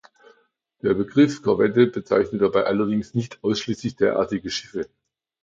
Der Begriff „Korvette“ bezeichnet dabei allerdings nicht ausschließlich derartige Schiffe.